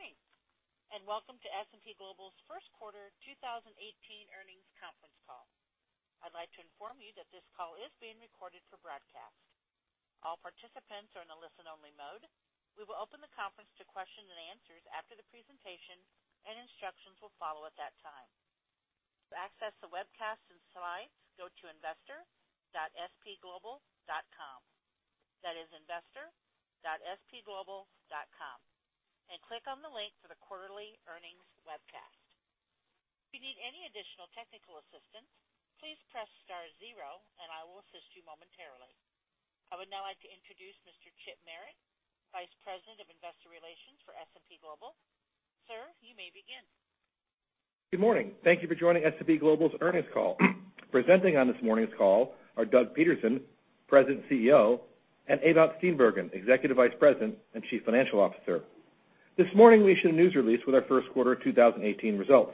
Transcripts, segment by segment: Good morning, welcome to S&P Global's first quarter 2018 earnings conference call. I'd like to inform you that this call is being recorded for broadcast. All participants are in a listen-only mode. We will open the conference to questions and answers after the presentation, and instructions will follow at that time. To access the webcast and slides, go to investor.spglobal.com. That is investor.spglobal.com, and click on the link for the quarterly earnings webcast. If you need any additional technical assistance, please press star zero and I will assist you momentarily. I would now like to introduce Mr. Chip Merritt, Vice President of Investor Relations for S&P Global. Sir, you may begin. Good morning. Thank you for joining S&P Global's earnings call. Presenting on this morning's call are Douglas Peterson, President, CEO, and Ewout Steenbergen, Executive Vice President and Chief Financial Officer. This morning, we issued a news release with our first quarter 2018 results.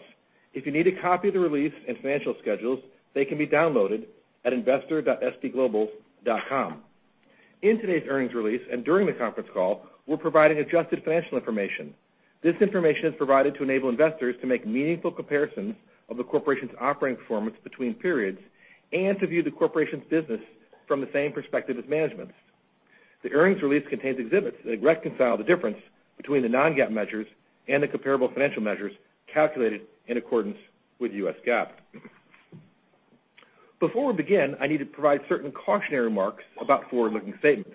If you need a copy of the release and financial schedules, they can be downloaded at investor.spglobal.com. In today's earnings release and during the conference call, we're providing adjusted financial information. This information is provided to enable investors to make meaningful comparisons of the corporation's operating performance between periods and to view the corporation's business from the same perspective as management. The earnings release contains exhibits that reconcile the difference between the non-GAAP measures and the comparable financial measures calculated in accordance with US GAAP. Before we begin, I need to provide certain cautionary remarks about forward-looking statements.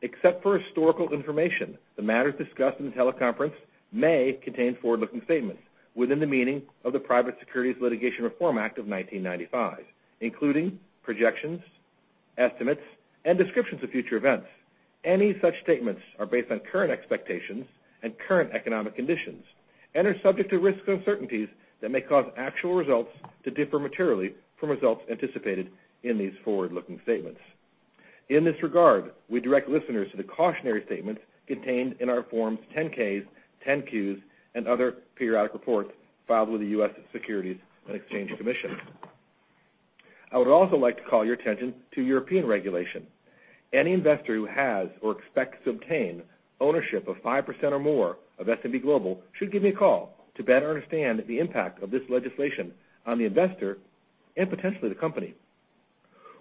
Except for historical information, the matters discussed in the teleconference may contain forward-looking statements within the meaning of the Private Securities Litigation Reform Act of 1995, including projections, estimates, and descriptions of future events. Any such statements are based on current expectations and current economic conditions and are subject to risks and uncertainties that may cause actual results to differ materially from results anticipated in these forward-looking statements. In this regard, we direct listeners to the cautionary statements contained in our Forms 10-Ks, 10-Qs, and other periodic reports filed with the U.S. Securities and Exchange Commission. I would also like to call your attention to European regulation. Any investor who has or expects to obtain ownership of 5% or more of S&P Global should give me a call to better understand the impact of this legislation on the investor and potentially the company.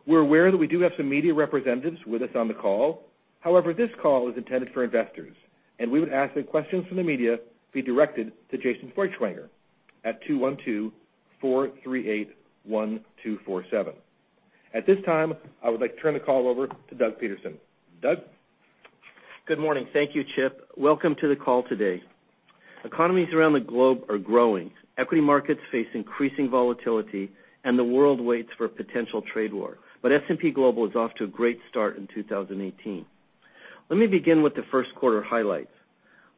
We're aware that we do have some media representatives with us on the call. However, this call is intended for investors, and we would ask that questions from the media be directed to Jason Feuchtwanger at 212-438-1247. At this time, I would like to turn the call over to Douglas Peterson. Doug? Good morning. Thank you, Chip. Economies around the globe are growing. Equity markets face increasing volatility, the world waits for a potential trade war. S&P Global is off to a great start in 2018. Let me begin with the first quarter highlights.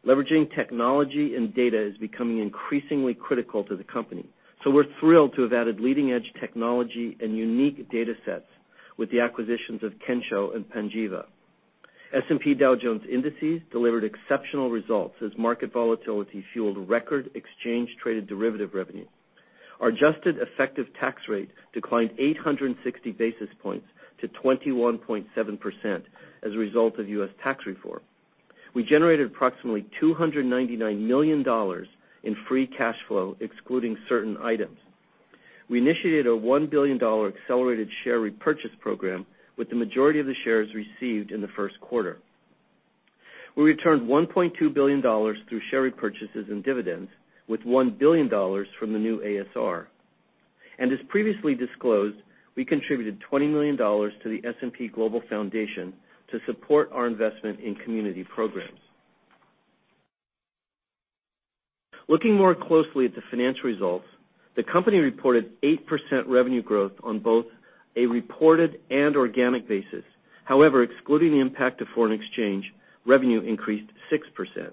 Leveraging technology and data is becoming increasingly critical to the company, we're thrilled to have added leading-edge technology and unique data sets with the acquisitions of Kensho and Panjiva. S&P Dow Jones Indices delivered exceptional results as market volatility fueled record exchange traded derivative revenue. Our adjusted effective tax rate declined 860 basis points to 21.7% as a result of U.S. tax reform. We generated approximately $299 million in free cash flow, excluding certain items. We initiated a $1 billion accelerated share repurchase program with the majority of the shares received in the first quarter. We returned $1.2 billion through share repurchases and dividends with $1 billion from the new ASR. As previously disclosed, we contributed $20 million to the S&P Global Foundation to support our investment in community programs. Looking more closely at the financial results, the company reported 8% revenue growth on both a reported and organic basis. However, excluding the impact of foreign exchange, revenue increased 6%.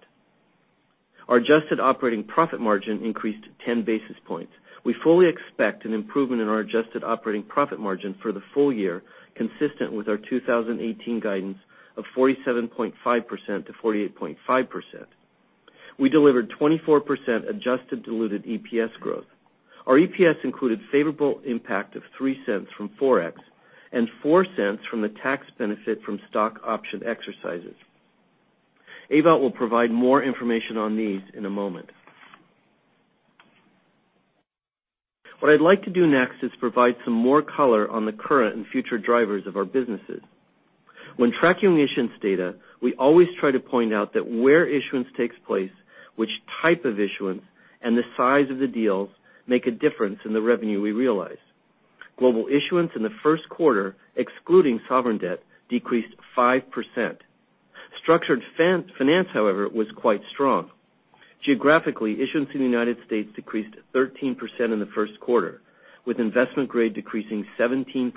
Our adjusted operating profit margin increased 10 basis points. We fully expect an improvement in our adjusted operating profit margin for the full year, consistent with our 2018 guidance of 47.5%-48.5%. We delivered 24% adjusted diluted EPS growth. Our EPS included favorable impact of $0.03 from Forex and $0.04 from the tax benefit from stock option exercises. Ewout will provide more information on these in a moment. What I'd like to do next is provide some more color on the current and future drivers of our businesses. When tracking issuance data, we always try to point out that where issuance takes place, which type of issuance, and the size of the deals make a difference in the revenue we realize. Global issuance in the first quarter, excluding sovereign debt, decreased 5%. Structured finance however, was quite strong. Geographically, issuance in the U.S. decreased 13% in the first quarter, with investment grade decreasing 17%,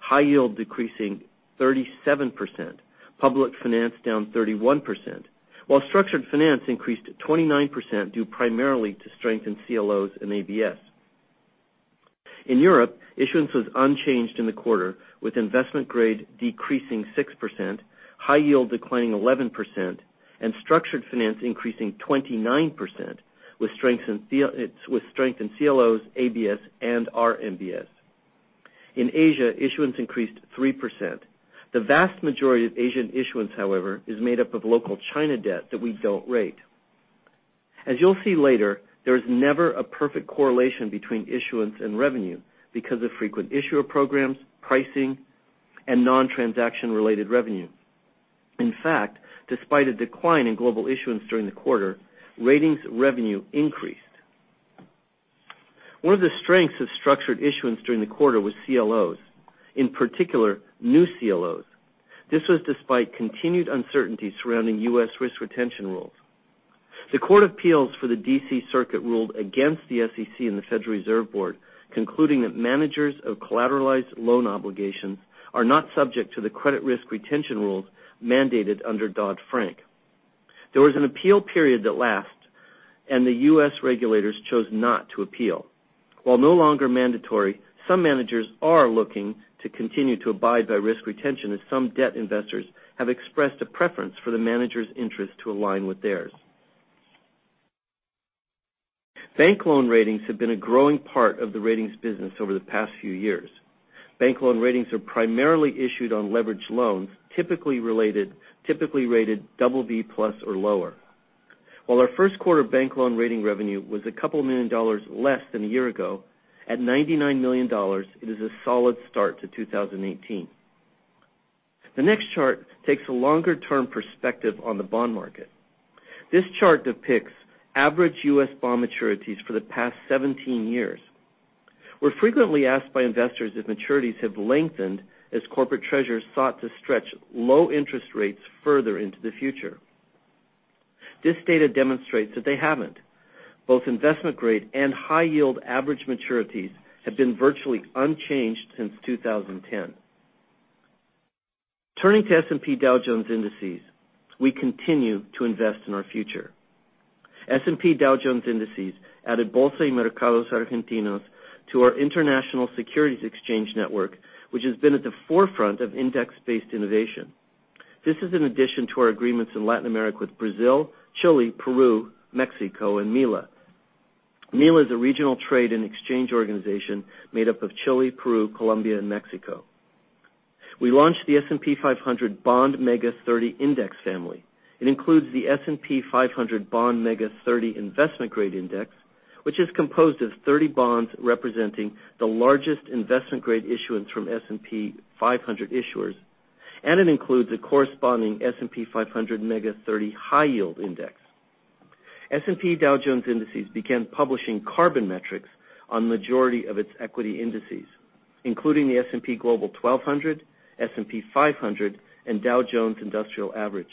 high yield decreasing 37%, public finance down 31%, while structured finance increased 29% due primarily to strength in CLOs and ABS. In Europe, issuance was unchanged in the quarter with investment grade decreasing 6%, high yield declining 11%, and structured finance increasing 29% with strength in CLOs, ABS, and RMBS. In Asia, issuance increased 3%. The vast majority of Asian issuance, however, is made up of local China debt that we don't rate. As you'll see later, there is never a perfect correlation between issuance and revenue because of frequent issuer programs, pricing, and non-transaction related revenue. Despite a decline in global issuance during the quarter, ratings revenue increased. One of the strengths of structured issuance during the quarter was CLOs, in particular, new CLOs. This was despite continued uncertainty surrounding U.S. risk retention rules. The Court of Appeals for the D.C. Circuit ruled against the SEC and the Federal Reserve Board, concluding that managers of collateralized loan obligations are not subject to the credit risk retention rules mandated under Dodd-Frank. There was an appeal period that lapsed, the U.S. regulators chose not to appeal. While no longer mandatory, some managers are looking to continue to abide by risk retention as some debt investors have expressed a preference for the managers' interest to align with theirs. Bank loan ratings have been a growing part of the ratings business over the past few years. Bank loan ratings are primarily issued on leveraged loans, typically rated double B plus or lower. While our first quarter bank loan rating revenue was a couple million dollars less than a year ago, at $99 million, it is a solid start to 2018. The next chart takes a longer term perspective on the bond market. This chart depicts average U.S. bond maturities for the past 17 years. We're frequently asked by investors if maturities have lengthened as corporate treasurers sought to stretch low interest rates further into the future. This data demonstrates that they haven't. Both investment grade and high yield average maturities have been virtually unchanged since 2010. Turning to S&P Dow Jones Indices, we continue to invest in our future. S&P Dow Jones Indices added Bolsas y Mercados Argentinos to our international securities exchange network, which has been at the forefront of index-based innovation. This is an addition to our agreements in Latin America with Brazil, Chile, Peru, Mexico, and MILA. MILA is a regional trade and exchange organization made up of Chile, Peru, Colombia, and Mexico. We launched the S&P 500 Bond Mega 30 Index Family. It includes the S&P 500 Bond Mega 30 Investment Grade Index, which is composed of 30 bonds representing the largest investment grade issuance from S&P 500 issuers, and it includes a corresponding S&P 500 Bond Mega 30 High Yield Index. S&P Dow Jones Indices began publishing carbon metrics on majority of its equity indices, including the S&P Global 1200, S&P 500, and Dow Jones Industrial Average.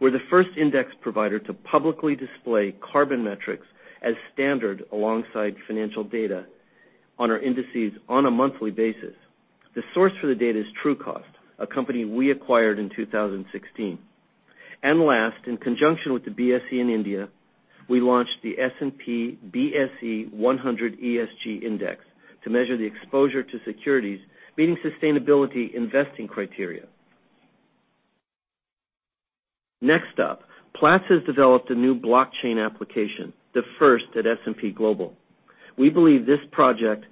We're the first index provider to publicly display carbon metrics as standard alongside financial data on our indices on a monthly basis. The source for the data is Trucost, a company we acquired in 2016. Last, in conjunction with the BSE in India, we launched the S&P BSE 100 ESG Index to measure the exposure to securities meeting sustainability investing criteria. Next up, Platts has developed a new blockchain application, the first at S&P Global. We believe this project,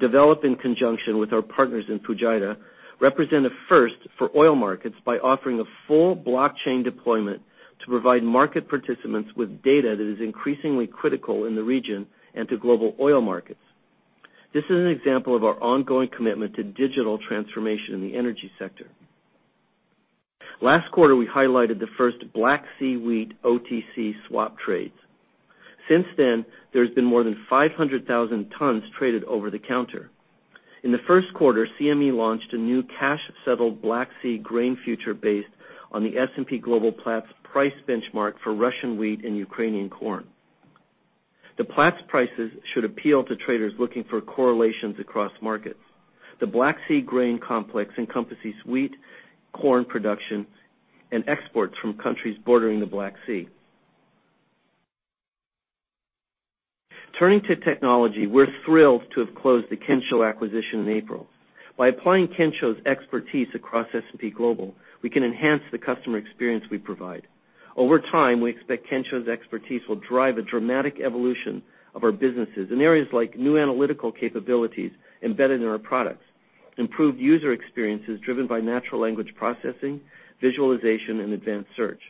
developed in conjunction with our partners in Fujairah, represent a first for oil markets by offering a full blockchain deployment to provide market participants with data that is increasingly critical in the region and to global oil markets. This is an example of our ongoing commitment to digital transformation in the energy sector. Last quarter, we highlighted the first Black Sea Wheat OTC swap trades. Since then, there has been more than 500,000 tons traded over the counter. In the first quarter, CME launched a new cash-settled Black Sea Grain future based on the S&P Global Platts price benchmark for Russian wheat and Ukrainian corn. The Platts prices should appeal to traders looking for correlations across markets. The Black Sea grain complex encompasses wheat, corn production, and exports from countries bordering the Black Sea. Turning to technology, we're thrilled to have closed the Kensho acquisition in April. By applying Kensho's expertise across S&P Global, we can enhance the customer experience we provide. Over time, we expect Kensho's expertise will drive a dramatic evolution of our businesses in areas like new analytical capabilities embedded in our products; improved user experiences driven by natural language processing, visualization, and advanced search;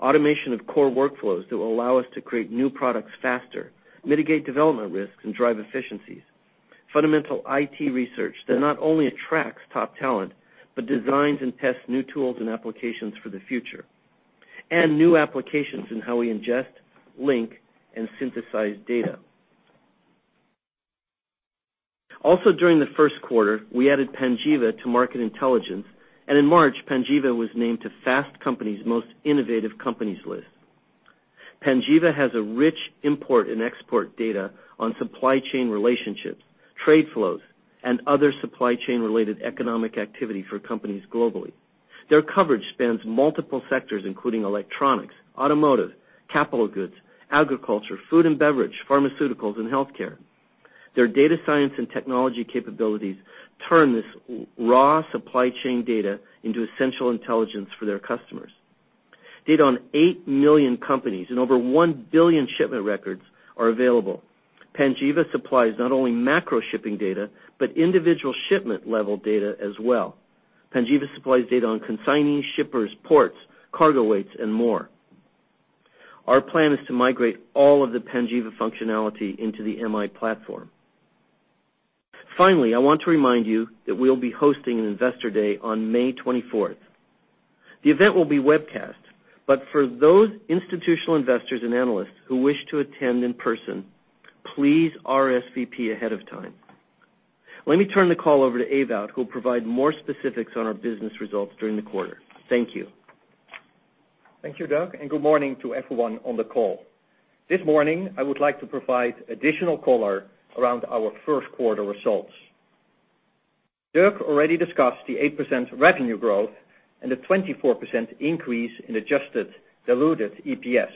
automation of core workflows that will allow us to create new products faster, mitigate development risks, and drive efficiencies; fundamental IT research that not only attracts top talent, but designs and tests new tools and applications for the future; and new applications in how we ingest, link, and synthesize data. Also during the first quarter, we added Panjiva to Market Intelligence, and in March, Panjiva was named to Fast Company's Most Innovative Companies list. Panjiva has a rich import and export data on supply chain relationships, trade flows, and other supply chain related economic activity for companies globally. Their coverage spans multiple sectors, including electronics, automotive, capital goods, agriculture, food and beverage, pharmaceuticals, and healthcare. Their data science and technology capabilities turn this raw supply chain data into essential intelligence for their customers. Data on 8 million companies and over 1 billion shipment records are available. Panjiva supplies not only macro shipping data, but individual shipment level data as well. Panjiva supplies data on consignee shippers, ports, cargo weights, and more. Our plan is to migrate all of the Panjiva functionality into the MI platform. Finally, I want to remind you that we'll be hosting an Investor Day on May 24th. The event will be webcast, but for those institutional investors and analysts who wish to attend in person, please RSVP ahead of time. Let me turn the call over to Ewout, who'll provide more specifics on our business results during the quarter. Thank you. Thank you, Doug, and good morning to everyone on the call. This morning, I would like to provide additional color around our first quarter results. Doug already discussed the 8% revenue growth and the 24% increase in adjusted diluted EPS.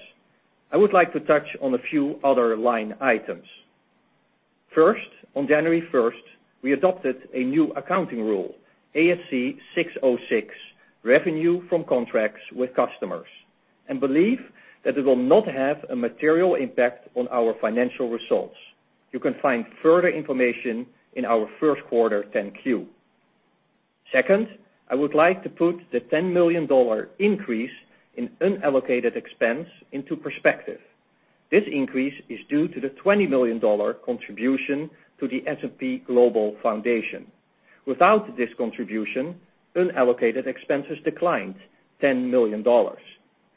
I would like to touch on a few other line items. First, on January first, we adopted a new accounting rule, ASC 606, revenue from contracts with customers, believe that it will not have a material impact on our financial results. You can find further information in our first quarter 10-Q. Second, I would like to put the $10 million increase in unallocated expense into perspective. This increase is due to the $20 million contribution to the S&P Global Foundation. Without this contribution, unallocated expenses declined $10 million,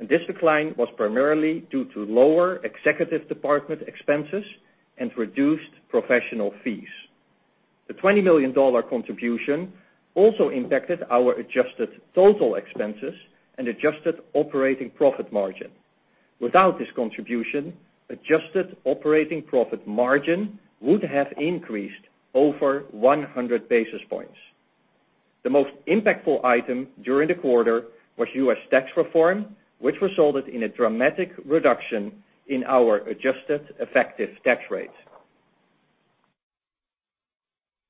this decline was primarily due to lower executive department expenses and reduced professional fees. The $20 million contribution also impacted our adjusted total expenses and adjusted operating profit margin. Without this contribution, adjusted operating profit margin would have increased over 100 basis points. The most impactful item during the quarter was U.S. tax reform, which resulted in a dramatic reduction in our adjusted effective tax rate.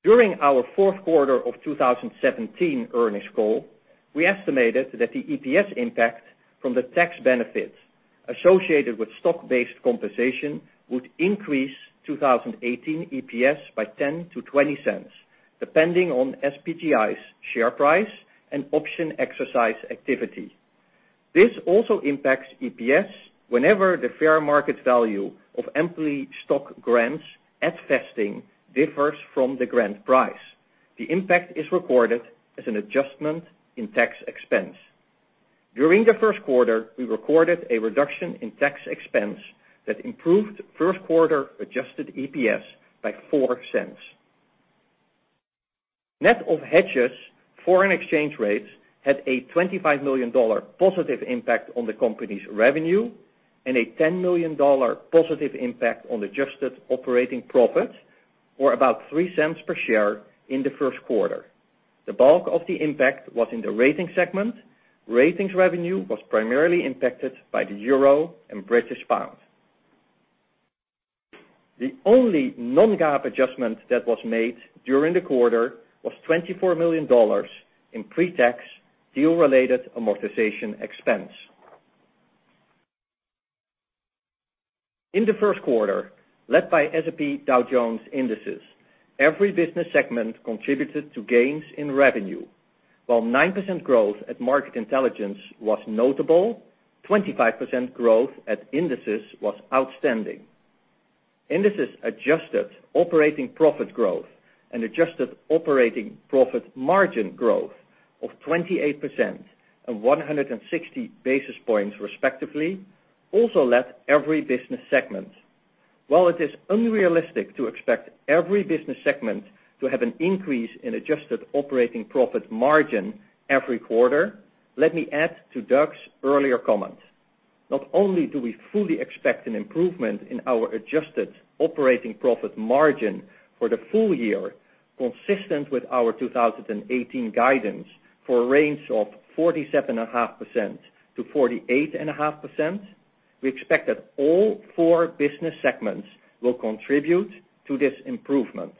During our fourth quarter of 2017 earnings call, we estimated that the EPS impact from the tax benefits associated with stock-based compensation would increase 2018 EPS by $0.10-$0.20, depending on SPGI's share price and option exercise activity. This also impacts EPS whenever the fair market value of employee stock grants at vesting differs from the grant price. The impact is recorded as an adjustment in tax expense. During the first quarter, we recorded a reduction in tax expense that improved first quarter adjusted EPS by $0.04. Net of hedges, foreign exchange rates had a $25 million positive impact on the company's revenue and a $10 million positive impact on adjusted operating profit, or about $0.03 per share in the first quarter. The bulk of the impact was in the Ratings segment. Ratings revenue was primarily impacted by the EUR and GBP. The only non-GAAP adjustment that was made during the quarter was $24 million in pre-tax deal related amortization expense. In the first quarter, led by S&P Dow Jones Indices, every business segment contributed to gains in revenue. While 9% growth at Market Intelligence was notable, 25% growth at Indices was outstanding. Indices adjusted operating profit growth and adjusted operating profit margin growth of 28% and 160 basis points respectively, also left every business segment. While it is unrealistic to expect every business segment to have an increase in adjusted operating profit margin every quarter, let me add to Doug's earlier comments. Not only do we fully expect an improvement in our adjusted operating profit margin for the full year, consistent with our 2018 guidance for a range of 47.5%-48.5%, we expect that all four business segments will contribute to this improvement.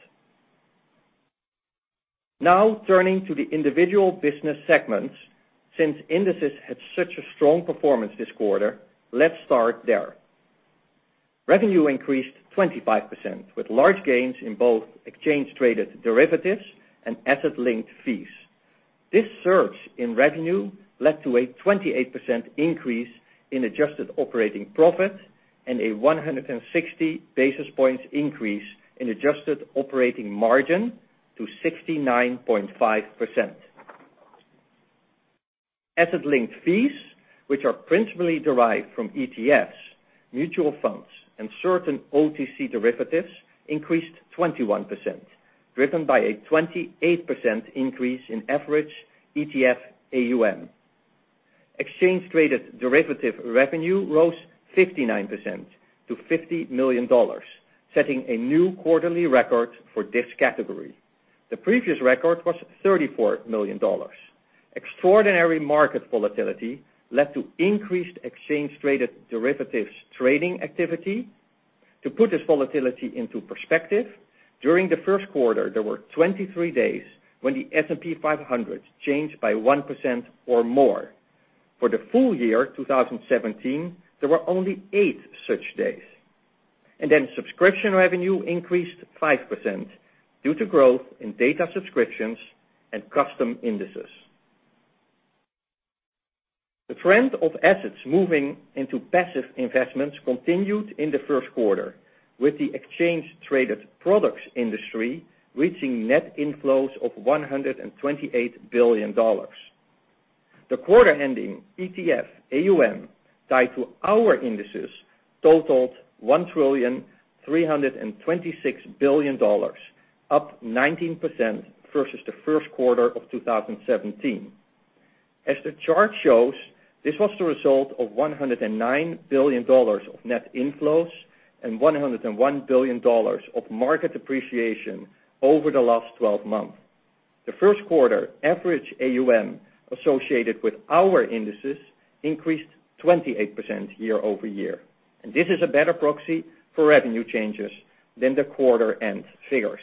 Turning to the individual business segments. Since Indices had such a strong performance this quarter, let's start there. Revenue increased 25%, with large gains in both exchange traded derivatives and asset linked fees. This surge in revenue led to a 28% increase in adjusted operating profit and a 160 basis points increase in adjusted operating margin to 69.5%. Asset linked fees, which are principally derived from ETFs, mutual funds, and certain OTC derivatives, increased 21%, driven by a 28% increase in average ETF AUM. Exchange traded derivative revenue rose 59% to $50 million, setting a new quarterly record for this category. The previous record was $34 million. Extraordinary market volatility led to increased exchange traded derivatives trading activity. To put this volatility into perspective, during the first quarter, there were 23 days when the S&P 500 changed by 1% or more. For the full year 2017, there were only eight such days. Subscription revenue increased 5% due to growth in data subscriptions and custom Indices. The trend of assets moving into passive investments continued in the first quarter, with the exchange-traded products industry reaching net inflows of $128 billion. The quarter-ending ETF AUM tied to our Indices totaled $1.326 trillion, up 19% versus the first quarter of 2017. As the chart shows, this was the result of $109 billion of net inflows and $101 billion of market appreciation over the last 12 months. The first quarter average AUM associated with our Indices increased 28% year-over-year, and this is a better proxy for revenue changes than the quarter-end figures.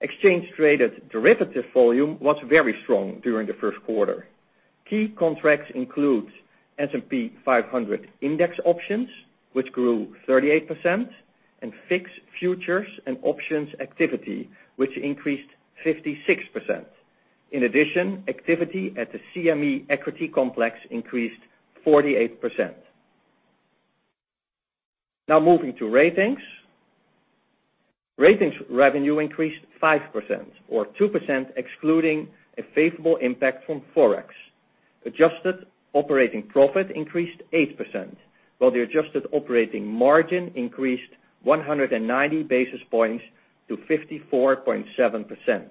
Exchange-traded derivative volume was very strong during the first quarter. Key contracts include S&P 500 index options, which grew 38%, and VIX futures and options activity, which increased 56%. In addition, activity at the CME equity complex increased 48%. Moving to Ratings. Ratings revenue increased 5%, or 2% excluding a favorable impact from Forex. Adjusted operating profit increased 8%, while the adjusted operating margin increased 190 basis points to 54.7%.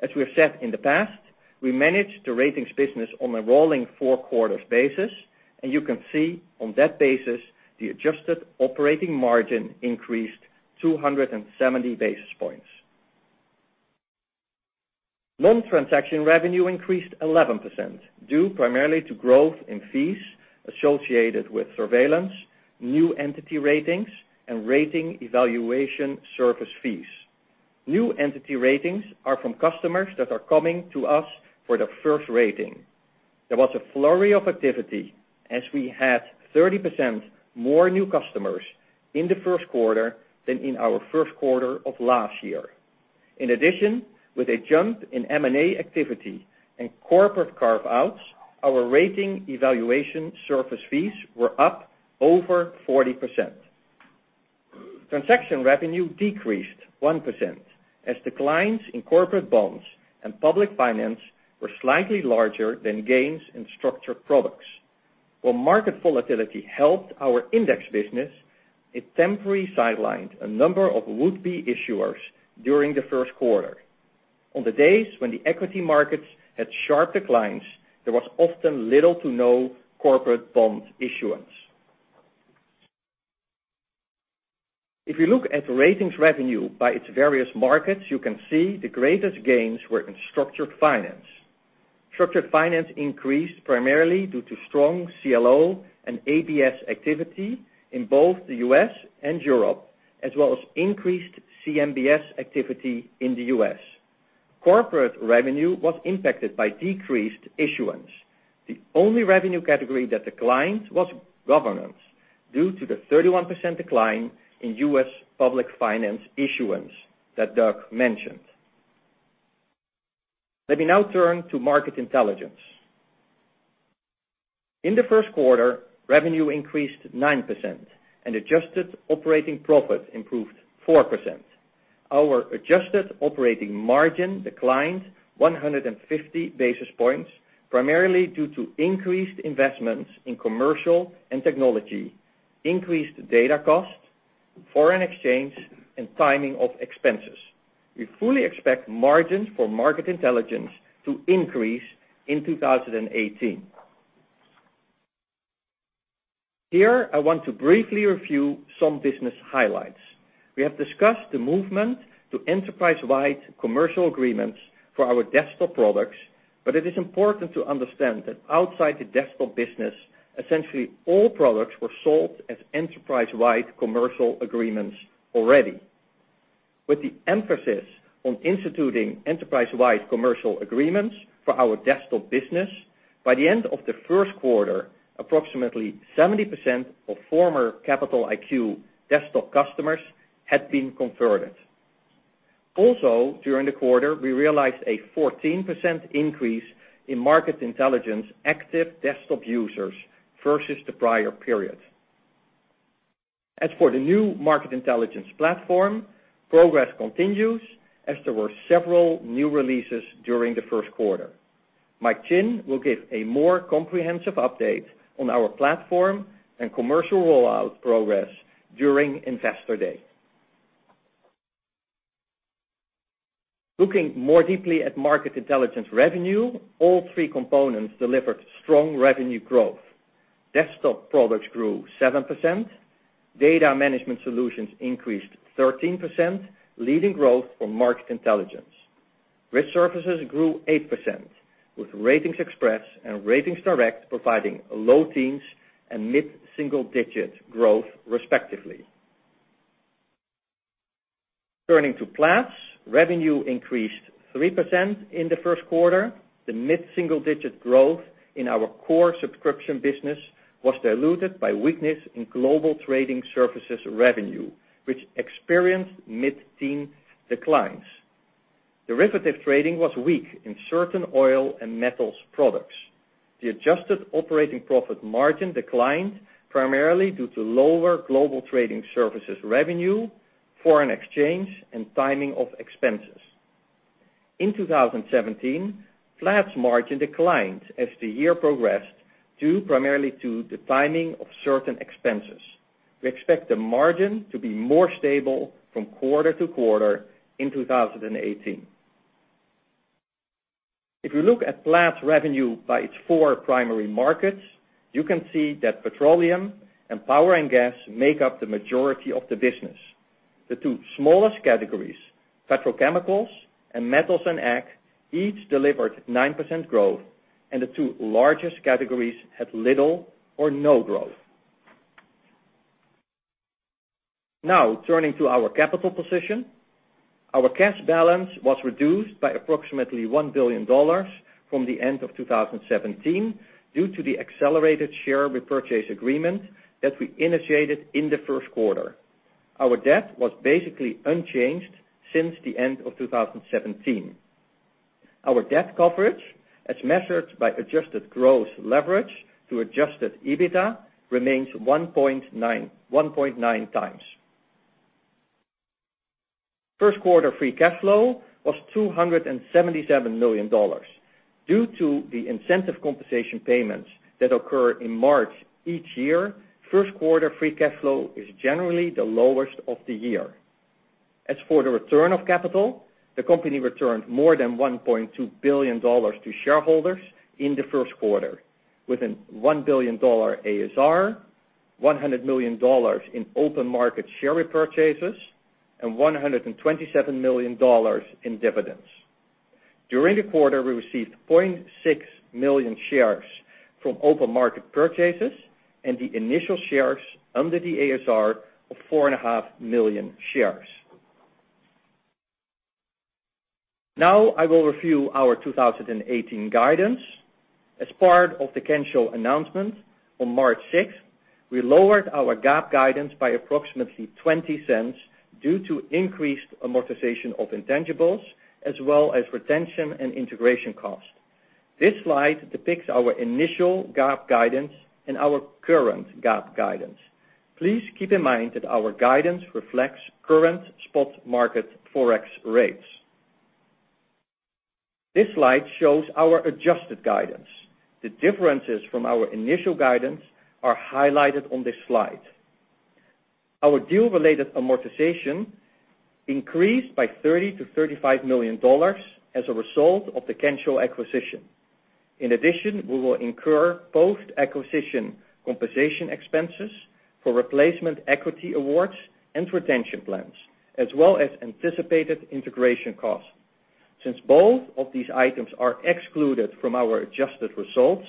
As we have said in the past, we managed the ratings business on a rolling four-quarters basis, you can see on that basis, the adjusted operating margin increased 270 basis points. Non-transaction revenue increased 11%, due primarily to growth in fees associated with surveillance, new entity ratings, and Rating Evaluation Service fees. New entity ratings are from customers that are coming to us for their first rating. There was a flurry of activity as we had 30% more new customers in the first quarter than in our first quarter of last year. In addition, with a jump in M&A activity and corporate carve-outs, our Rating Evaluation Service fees were up over 40%. Transaction revenue decreased 1%, as declines in corporate bonds and public finance were slightly larger than gains in structured products. While market volatility helped our index business, it temporarily sidelined a number of would-be issuers during the first quarter. On the days when the equity markets had sharp declines, there was often little to no corporate bond issuance. If you look at ratings revenue by its various markets, you can see the greatest gains were in structured finance. Structured finance increased primarily due to strong CLO and ABS activity in both the U.S. and Europe, as well as increased CMBS activity in the U.S. Corporate revenue was impacted by decreased issuance. The only revenue category that declined was governance, due to the 31% decline in U.S. public finance issuance that Doug mentioned. Let me now turn to Market Intelligence. In the first quarter, revenue increased 9%, and adjusted operating profit improved 4%. Our adjusted operating margin declined 150 basis points, primarily due to increased investments in commercial and technology, increased data costs, foreign exchange, and timing of expenses. We fully expect margins for Market Intelligence to increase in 2018. Here, I want to briefly review some business highlights. We have discussed the movement to enterprise-wide commercial agreements for our desktop products, but it is important to understand that outside the desktop business, essentially all products were sold as enterprise-wide commercial agreements already. With the emphasis on instituting enterprise-wide commercial agreements for our desktop business, by the end of the first quarter, approximately 70% of former Capital IQ desktop customers had been converted. Also, during the quarter, we realized a 14% increase in Market Intelligence active desktop users versus the prior period. As for the new Market Intelligence platform, progress continues as there were several new releases during the first quarter. Mike Chinn will give a more comprehensive update on our platform and commercial rollout progress during Investor Day. Looking more deeply at Market Intelligence revenue, all three components delivered strong revenue growth. Desktop products grew 7%. Data management solutions increased 13%, leading growth for Market Intelligence. Risk services grew 8%, with RatingsXpress and RatingsDirect providing low teens and mid-single-digit growth respectively. Turning to Platts, revenue increased 3% in the first quarter. The mid-single-digit growth in our core subscription business was diluted by weakness in global trading services revenue, which experienced mid-teen declines. Derivative trading was weak in certain oil and metals products. The adjusted operating profit margin declined primarily due to lower global trading services revenue, foreign exchange, and timing of expenses. In 2017, Platts margin declined as the year progressed, due primarily to the timing of certain expenses. We expect the margin to be more stable from quarter to quarter in 2018. If you look at Platts revenue by its four primary markets, you can see that petroleum and power and gas make up the majority of the business. The two smallest categories, petrochemicals and metals and ag, each delivered 9% growth, and the two largest categories had little or no growth. Turning to our capital position. Our cash balance was reduced by approximately $1 billion from the end of 2017 due to the accelerated share repurchase agreement that we initiated in the first quarter. Our debt was basically unchanged since the end of 2017. Our debt coverage, as measured by adjusted gross leverage to adjusted EBITDA, remains 1.9 times. First quarter free cash flow was $277 million. Due to the incentive compensation payments that occur in March each year, first quarter free cash flow is generally the lowest of the year. As for the return of capital, the company returned more than $1.2 billion to shareholders in the first quarter with a $1 billion ASR, $100 million in open market share repurchases, and $127 million in dividends. During the quarter, we received 0.6 million shares from open market purchases and the initial shares under the ASR of 4.5 million shares. I will review our 2018 guidance. As part of the Kensho announcement on March 6th, we lowered our GAAP guidance by approximately $0.20 due to increased amortization of intangibles as well as retention and integration costs. This slide depicts our initial GAAP guidance and our current GAAP guidance. Please keep in mind that our guidance reflects current spot market forex rates. This slide shows our adjusted guidance. The differences from our initial guidance are highlighted on this slide. Our deal-related amortization increased by $30 million-$35 million as a result of the Kensho acquisition. In addition, we will incur post-acquisition compensation expenses for replacement equity awards and retention plans, as well as anticipated integration costs. Since both of these items are excluded from our adjusted results,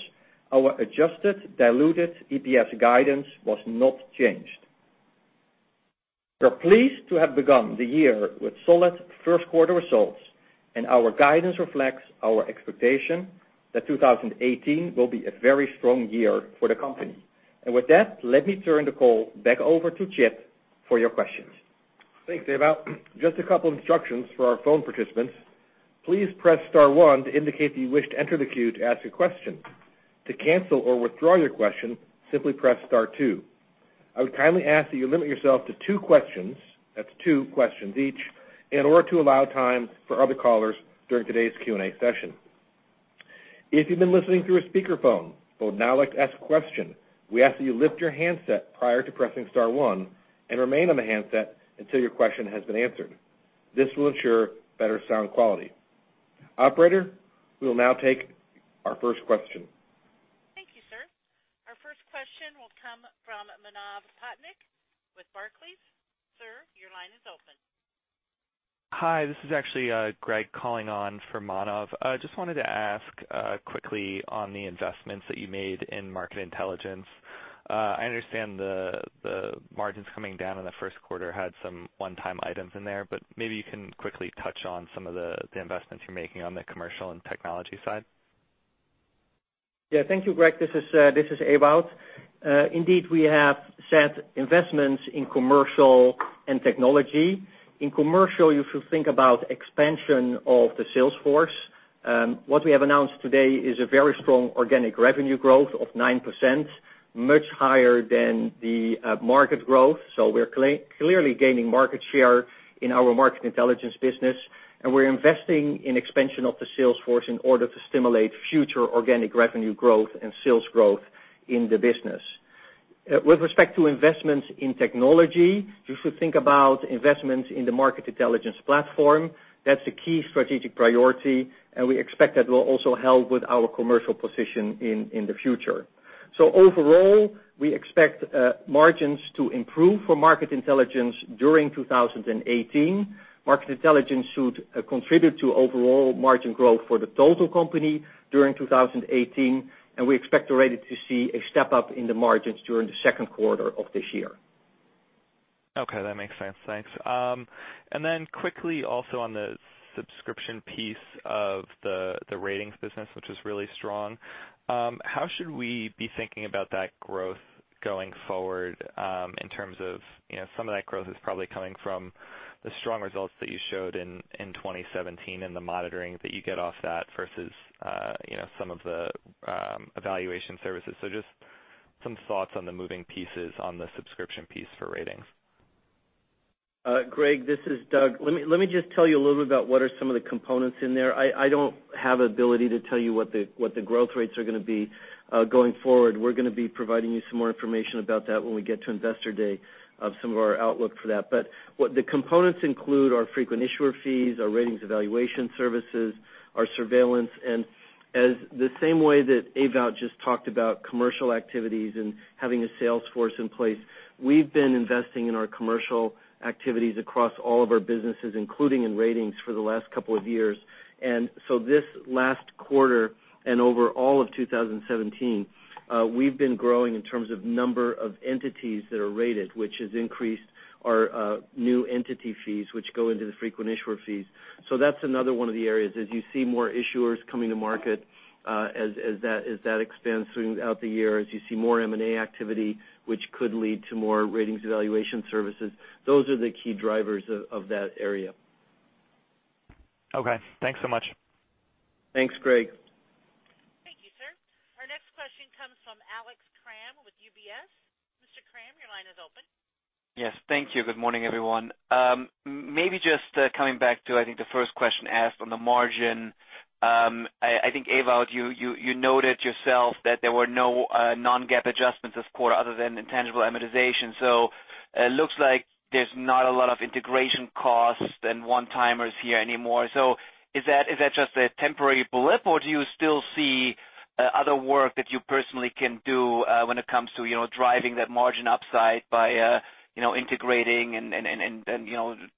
our adjusted diluted EPS guidance was not changed. We're pleased to have begun the year with solid first-quarter results. Our guidance reflects our expectation that 2018 will be a very strong year for the company. With that, let me turn the call back over to Chip for your questions. Thanks, Ewout. Just a couple instructions for our phone participants. Please press *1 to indicate that you wish to enter the queue to ask a question. To cancel or withdraw your question, simply press *2. I would kindly ask that you limit yourself to two questions, that's two questions each, in order to allow time for other callers during today's Q&A session. If you've been listening through a speakerphone but would now like to ask a question, we ask that you lift your handset prior to pressing *1 and remain on the handset until your question has been answered. This will ensure better sound quality. Operator, we will now take our first question. Thank you, sir. Our first question will come from Manav Patnaik with Barclays. Sir, your line is open. Hi, this is actually Greg calling on for Manav. Just wanted to ask quickly on the investments that you made in Market Intelligence. I understand the margins coming down in the first quarter had some one-time items in there, maybe you can quickly touch on some of the investments you're making on the commercial and technology side. Yeah. Thank you, Greg. This is Ewout. Indeed, we have set investments in commercial and technology. In commercial, you should think about expansion of the sales force. What we have announced today is a very strong organic revenue growth of 9%, much higher than the market growth. We're clearly gaining market share in our Market Intelligence business, we're investing in expansion of the sales force in order to stimulate future organic revenue growth and sales growth in the business. With respect to investments in technology, you should think about investments in the Market Intelligence platform. That's a key strategic priority, we expect that will also help with our commercial position in the future. Overall, we expect margins to improve for Market Intelligence during 2018. Market Intelligence should contribute to overall margin growth for the total company during 2018, we expect already to see a step up in the margins during the second quarter of this year. Okay, that makes sense. Thanks. Quickly also on the subscription piece of the Ratings business, which is really strong. How should we be thinking about that growth going forward in terms of some of that growth is probably coming from the strong results that you showed in 2017 and the monitoring that you get off that versus some of the evaluation services. Just some thoughts on the moving pieces on the subscription piece for Ratings. Greg, this is Doug. Let me just tell you a little bit about what are some of the components in there. I don't have ability to tell you what the growth rates are going to be going forward. We're going to be providing you some more information about that when we get to Investor Day of some of our outlook for that. What the components include are frequent issuer fees, our Rating Evaluation Service, our surveillance. As the same way that Ewout just talked about commercial activities and having a sales force in place, we've been investing in our commercial activities across all of our businesses, including in Ratings for the last couple of years. This last quarter and over all of 2017, we've been growing in terms of number of entities that are rated, which has increased our new entity fees, which go into the frequent issuer fees. That's another one of the areas. As you see more issuers coming to market as that expands throughout the year, as you see more M&A activity, which could lead to more Ratings evaluation services, those are the key drivers of that area. Okay, thanks so much. Thanks, Greg. Thank you, sir. Our next question comes from Alex Kramm with UBS. Mr. Kramm, your line is open. Yes, thank you. Good morning, everyone. Maybe just coming back to, I think, the first question asked on the margin. I think, Ewout, you noted yourself that there were no non-GAAP adjustments this quarter other than intangible amortization. It looks like there's not a lot of integration costs and one-timers here anymore. Is that just a temporary blip, or do you still see other work that you personally can do when it comes to driving that margin upside by integrating and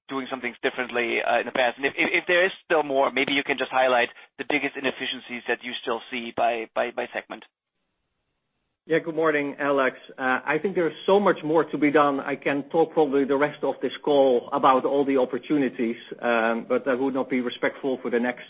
doing some things differently in the past? If there is still more, maybe you can just highlight the biggest inefficiencies that you still see by segment. Yeah, good morning, Alex. I think there's so much more to be done. I can talk probably the rest of this call about all the opportunities, but that would not be respectful for the next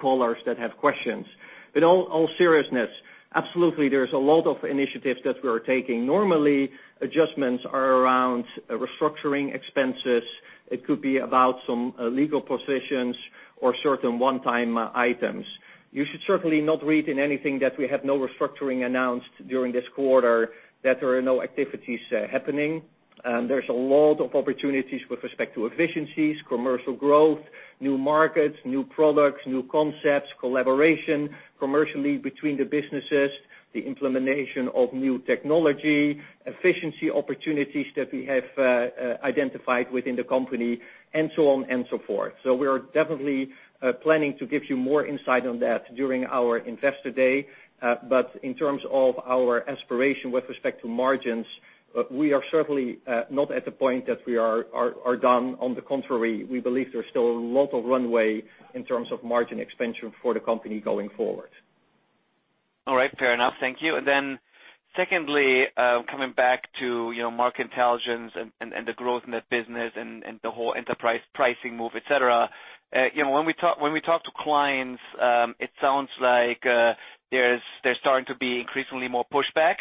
callers that have questions. In all seriousness, absolutely there's a lot of initiatives that we're taking. Normally, adjustments are around restructuring expenses. It could be about some legal positions or certain one-time items. You should certainly not read in anything that we have no restructuring announced during this quarter that there are no activities happening. There's a lot of opportunities with respect to efficiencies, commercial growth, new markets, new products, new concepts, collaboration commercially between the businesses, the implementation of new technology, efficiency opportunities that we have identified within the company, and so on and so forth. We are definitely planning to give you more insight on that during our Investor Day. In terms of our aspiration with respect to margins, we are certainly not at the point that we are done. On the contrary, we believe there's still a lot of runway in terms of margin expansion for the company going forward. All right. Fair enough. Thank you. Secondly, coming back to Market Intelligence and the growth in that business and the whole enterprise pricing move, et cetera. When we talk to clients, it sounds like there's starting to be increasingly more pushback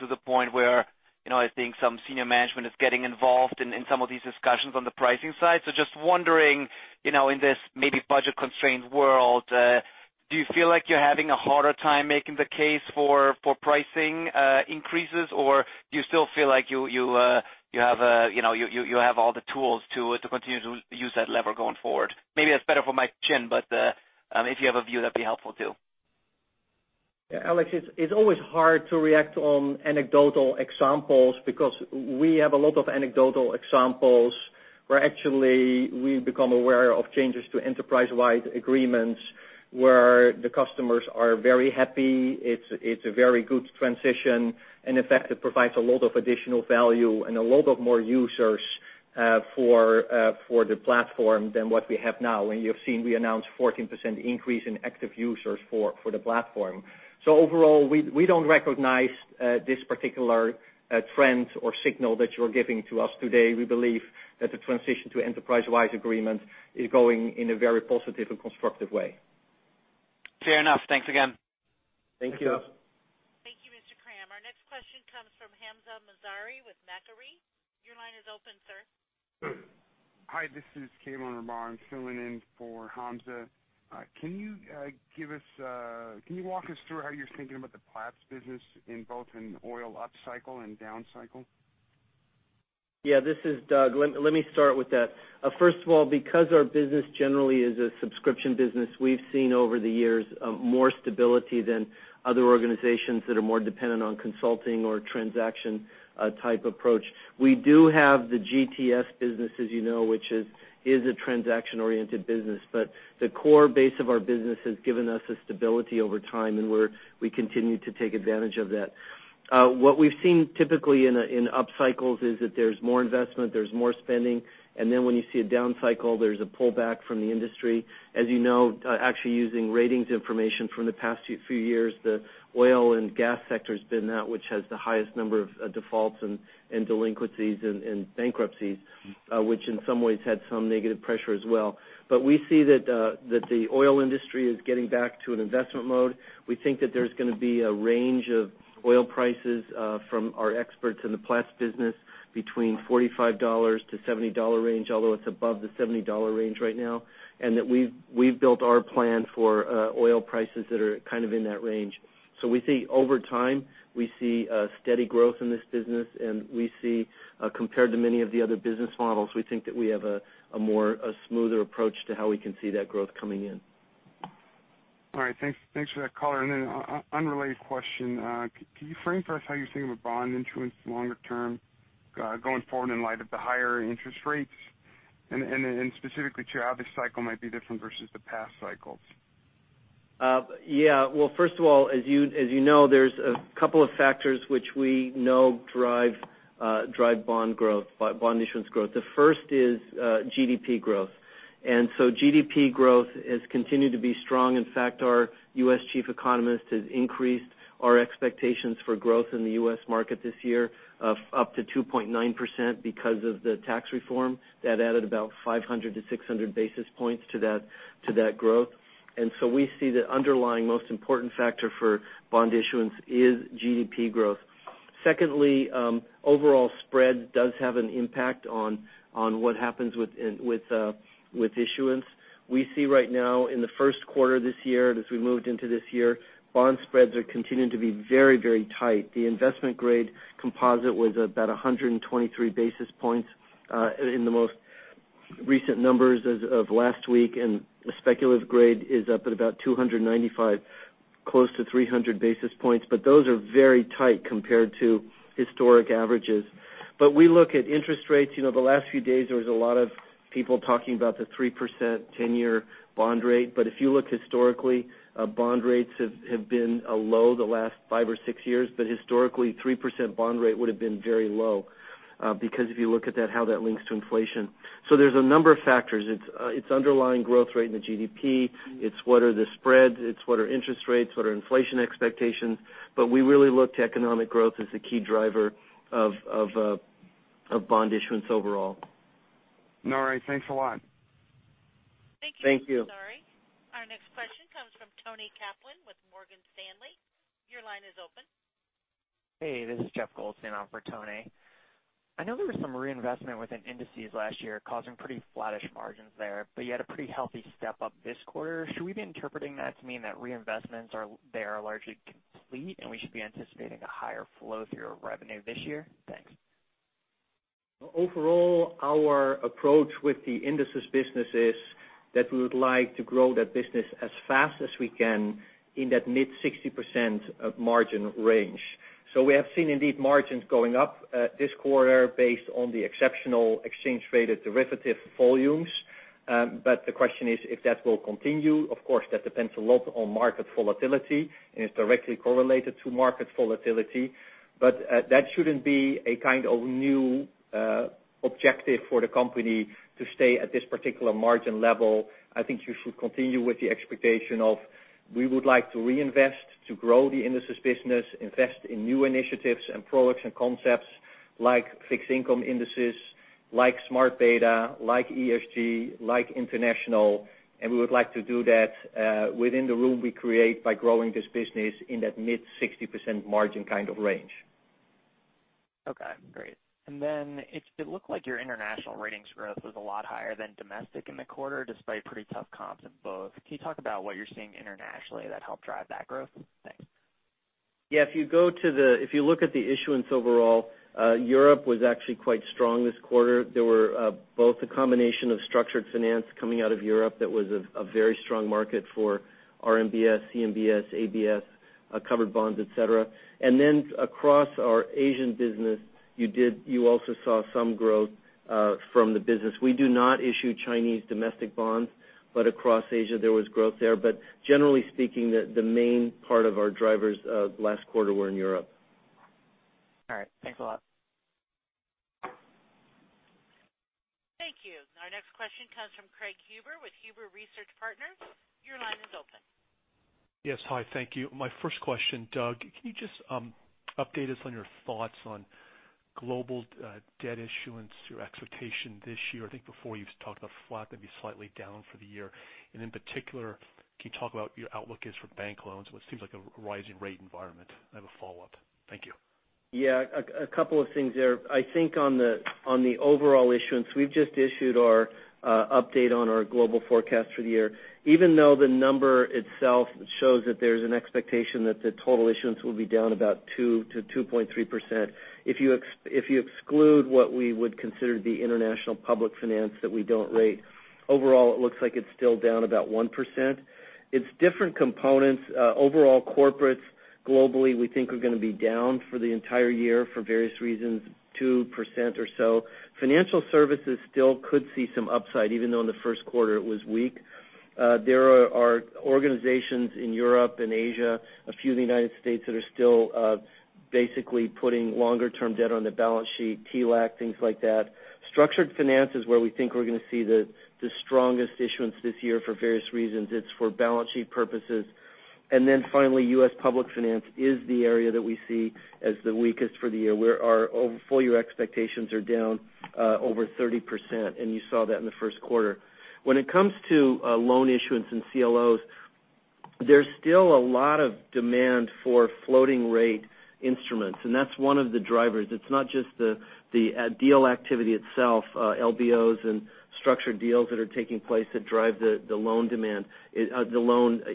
to the point where I think some senior management is getting involved in some of these discussions on the pricing side. Just wondering, in this maybe budget-constrained world, do you feel like you're having a harder time making the case for pricing increases? Or do you still feel like you have all the tools to continue to use that lever going forward? Maybe that's better for Mike Chinn, but if you have a view, that'd be helpful too. Yeah, Alex, it's always hard to react on anecdotal examples because we have a lot of anecdotal examples where actually we become aware of changes to enterprise-wide agreements where the customers are very happy. It's a very good transition. In effect, it provides a lot of additional value and a lot of more users for the platform than what we have now. You've seen, we announced 14% increase in active users for the platform. Overall, we don't recognize this particular trend or signal that you're giving to us today. We believe that the transition to enterprise-wide agreement is going in a very positive and constructive way. Fair enough. Thanks again. Thank you. Thank you. Thank you, Mr. Kramm. Our next question comes from Hamza Mazari with Macquarie. Your line is open, sir. Hi, this is Caleb Rambha. I'm filling in for Hamza. Can you walk us through how you're thinking about the Platts business in both an oil upcycle and downcycle? This is Doug. Let me start with that. First of all, because our business generally is a subscription business, we've seen over the years more stability than other organizations that are more dependent on consulting or transaction type approach. We do have the GTS business, as you know, which is a transaction-oriented business. The core base of our business has given us a stability over time, and we continue to take advantage of that. What we've seen typically in up cycles is that there is more investment, there is more spending, and then when you see a down cycle, there is a pullback from the industry. As you know, actually using ratings information from the past few years, the oil and gas sector has been that which has the highest number of defaults and delinquencies and bankruptcies, which in some ways had some negative pressure as well. We see that the oil industry is getting back to an investment mode. We think that there is going to be a range of oil prices from our experts in the Platts business between $45-$70 range, although it is above the $70 range right now, and that we have built our plan for oil prices that are kind of in that range. We think over time, we see a steady growth in this business, and we see, compared to many of the other business models, we think that we have a smoother approach to how we can see that growth coming in. All right. Thanks for that color. Unrelated question. Can you frame for us how you are thinking of a bond issuance longer term going forward in light of the higher interest rates? Specifically, too, how this cycle might be different versus the past cycles? Well, first of all, as you know, there are a couple of factors which we know drive bond issuance growth. The first is GDP growth. GDP growth has continued to be strong. In fact, our U.S. chief economist has increased our expectations for growth in the U.S. market this year of up to 2.9% because of the tax reform. That added about 500-600 basis points to that growth. We see the underlying most important factor for bond issuance is GDP growth. Secondly, overall spread does have an impact on what happens with issuance. We see right now in the first quarter this year, and as we moved into this year, bond spreads are continuing to be very tight. The investment grade composite was about 123 basis points in the most recent numbers as of last week, and the speculative grade is up at about 295, close to 300 basis points. Those are very tight compared to historic averages. We look at interest rates. The last few days, there was a lot of people talking about the 3% 10-year bond rate. If you look historically, bond rates have been low the last five or six years. Historically, 3% bond rate would have been very low because if you look at how that links to inflation. There's a number of factors. It's underlying growth rate in the GDP. It's what are the spreads. It's what are interest rates, what are inflation expectations. We really look to economic growth as the key driver of bond issuance overall. All right. Thanks a lot. Thank you. Thank you. Sorry. Our next question comes from Toni Kaplan with Morgan Stanley. Your line is open. Hey, this is Jeff Goldstein on for Toni. I know there was some reinvestment within indices last year causing pretty flattish margins there, but you had a pretty healthy step up this quarter. Should we be interpreting that to mean that reinvestments there are largely complete, and we should be anticipating a higher flow through your revenue this year? Thanks. Overall, our approach with the indices business is that we would like to grow that business as fast as we can in that mid 60% margin range. We have seen indeed margins going up this quarter based on the exceptional exchange rate of derivative volumes. The question is if that will continue. Of course, that depends a lot on market volatility and is directly correlated to market volatility. That shouldn't be a kind of new objective for the company to stay at this particular margin level. I think you should continue with the expectation of we would like to reinvest to grow the indices business, invest in new initiatives and products and concepts like fixed income indices, like smart beta, like ESG, like international. We would like to do that within the room we create by growing this business in that mid 60% margin kind of range. Okay, great. It looked like your international ratings growth was a lot higher than domestic in the quarter, despite pretty tough comps in both. Can you talk about what you're seeing internationally that helped drive that growth? Thanks. Yeah, if you look at the issuance overall, Europe was actually quite strong this quarter. There were both a combination of structured finance coming out of Europe that was a very strong market for RMBS, CMBS, ABS, covered bonds, et cetera. Across our Asian business, you also saw some growth from the business. We do not issue Chinese domestic bonds, but across Asia, there was growth there. Generally speaking, the main part of our drivers last quarter were in Europe. All right. Thanks a lot. Thank you. Our next question comes from Craig Huber with Huber Research Partners. Your line is open. Yes, hi. Thank you. My first question, Doug, can you just update us on your thoughts on global debt issuance, your expectation this year? I think before you talked about flat, maybe slightly down for the year. In particular, can you talk about your outlook is for bank loans? It seems like a rising rate environment. I have a follow-up. Thank you. Yeah. A couple of things there. I think on the overall issuance, we've just issued our update on our global forecast for the year. Even though the number itself shows that there's an expectation that the total issuance will be down about 2%-2.3%, if you exclude what we would consider the international public finance that we don't rate, overall, it looks like it's still down about 1%. It's different components. Overall corporates globally, we think are going to be down for the entire year for various reasons, 2% or so. Financial services still could see some upside, even though in the first quarter it was weak. There are organizations in Europe and Asia, a few in the U.S. that are still basically putting longer-term debt on the balance sheet, TLAC, things like that. Structured finance is where we think we're going to see the strongest issuance this year for various reasons. It's for balance sheet purposes. Finally, U.S. public finance is the area that we see as the weakest for the year, where our full-year expectations are down over 30%, and you saw that in the first quarter. When it comes to loan issuance and CLOs, there's still a lot of demand for floating rate instruments, and that's one of the drivers. It's not just the deal activity itself, LBOs and structured deals that are taking place that drive the loan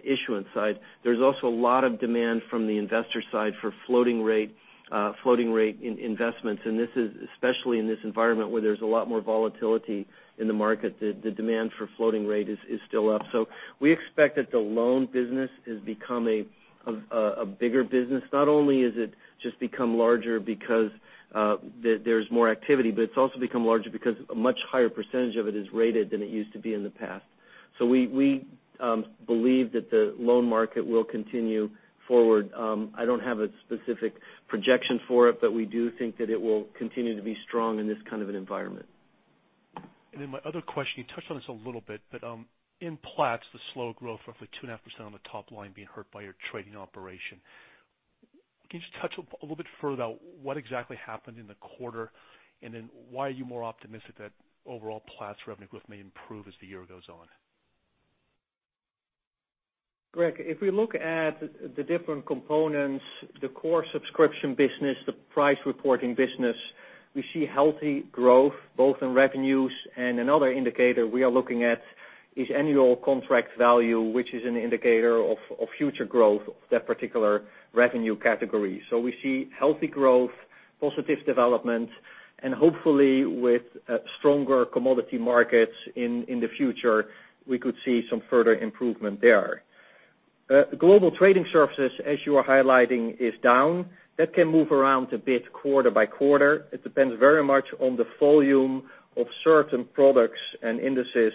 issuance side. There's also a lot of demand from the investor side for floating rate investments. Especially in this environment where there's a lot more volatility in the market, the demand for floating rate is still up. We expect that the loan business is becoming a bigger business. Not only has it just become larger because there's more activity, but it's also become larger because a much higher percentage of it is rated than it used to be in the past. We believe that the loan market will continue forward. I don't have a specific projection for it, but we do think that it will continue to be strong in this kind of an environment. My other question, you touched on this a little bit, but in Platts, the slow growth, roughly 2.5% on the top line being hurt by your trading operation. Can you just touch a little bit further about what exactly happened in the quarter, and why are you more optimistic that overall Platts revenue growth may improve as the year goes on? Craig, if we look at the different components, the core subscription business, the price reporting business, we see healthy growth both in revenues and another indicator we are looking at is annual contract value, which is an indicator of future growth of that particular revenue category. We see healthy growth, positive development, and hopefully with stronger commodity markets in the future, we could see some further improvement there. Global trading services, as you are highlighting, is down. That can move around a bit quarter by quarter. It depends very much on the volume of certain products and indices that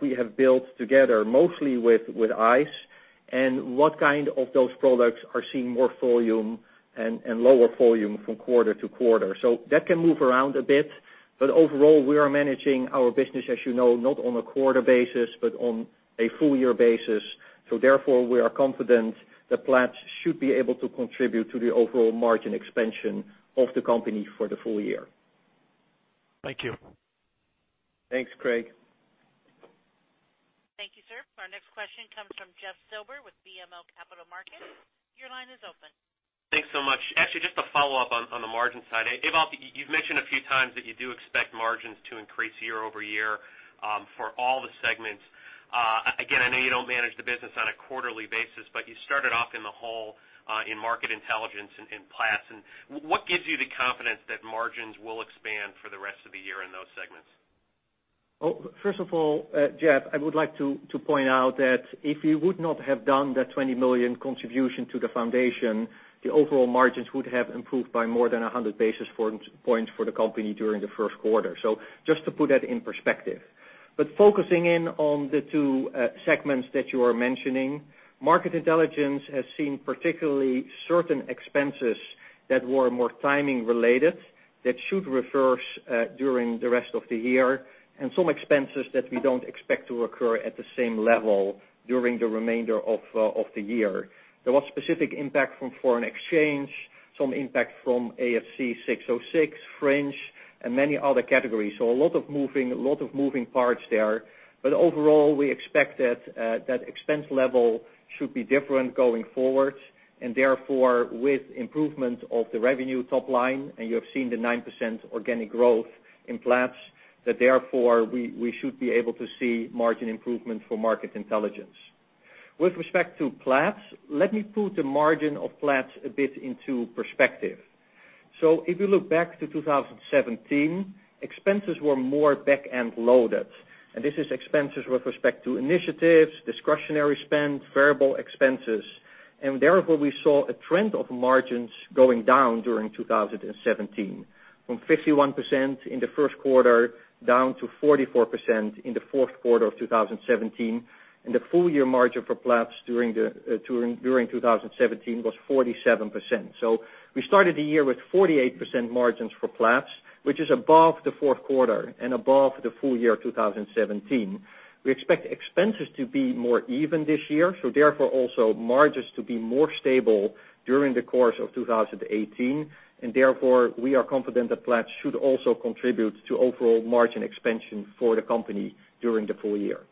we have built together, mostly with ICE, and what kind of those products are seeing more volume and lower volume from quarter to quarter. So that can move around a bit. Overall, we are managing our business, as you know, not on a quarter basis, but on a full-year basis. Therefore, we are confident that Platts should be able to contribute to the overall margin expansion of the company for the full year. Thank you. Thanks, Craig. Thank you, sir. Our next question comes from Jeff Silber with BMO Capital Markets. Your line is open. Thanks so much. Actually, just a follow-up on the margin side. Ewout, you've mentioned a few times that you do expect margins to increase year-over-year for all the segments. I know you don't manage the business on a quarterly basis, but you started off in the hole in Market Intelligence in Platts. What gives you the confidence that margins will expand for the rest of the year in those segments? First of all, Jeff, I would like to point out that if we would not have done the $20 million contribution to the foundation, the overall margins would have improved by more than 100 basis points for the company during the first quarter. Just to put that in perspective. Focusing in on the two segments that you are mentioning, Market Intelligence has seen particularly certain expenses that were more timing-related that should reverse during the rest of the year, and some expenses that we don't expect to occur at the same level during the remainder of the year. There was specific impact from foreign exchange, some impact from ASC 606, Fringe, and many other categories. A lot of moving parts there. Overall, we expect that expense level should be different going forward, and therefore, with improvement of the revenue top line, and you have seen the 9% organic growth in Platts, that therefore, we should be able to see margin improvement for Market Intelligence. With respect to Platts, let me put the margin of Platts a bit into perspective. If you look back to 2017, expenses were more back-end loaded. This is expenses with respect to initiatives, discretionary spend, variable expenses. Therefore, we saw a trend of margins going down during 2017, from 51% in the first quarter down to 44% in the fourth quarter of 2017, and the full-year margin for Platts during 2017 was 47%. We started the year with 48% margins for Platts, which is above the fourth quarter and above the full year 2017. We expect expenses to be more even this year, therefore, also margins to be more stable during the course of 2018, therefore, we are confident that Platts should also contribute to overall margin expansion for the company during the full year.